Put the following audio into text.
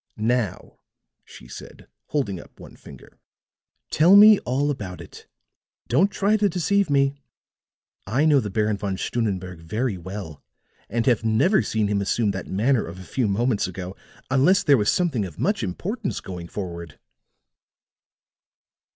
"Now," she said, holding up one finger, "tell me all about it. Don't try to deceive me. I know the Baron Von Stunnenberg very well, and have never seen him assume that manner of a few moments ago unless there was something of much importance going forward."